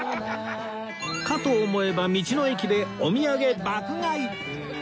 かと思えば道の駅でお土産爆買い！